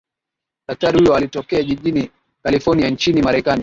daktari huyo alitokea jijini kalifornia nchini marekani